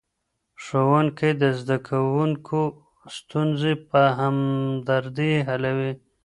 ښوونکی د زدهکوونکو ستونزې په همدردۍ حلوي.